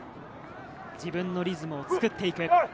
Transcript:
自分のリズムを作っていく。